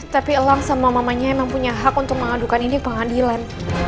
tapi elang semua mamanya memang punya hak untuk mengadukan ini ke pengadilan